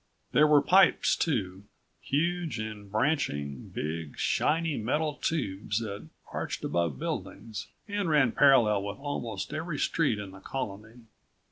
There were pipes, too huge and branching, big, shining metal tubes that arched above buildings and ran parallel with almost every street in the Colony.